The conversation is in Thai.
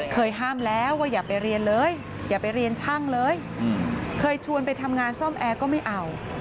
ห้ามแล้วว่าอย่าไปเรียนเลยอย่าไปเรียนช่างเลยเคยชวนไปทำงานซ่อมแอร์ก็ไม่เอา